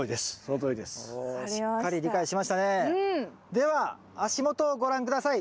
では足元をご覧下さい。